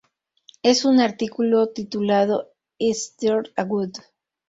En un artículo titulado "Is There a God?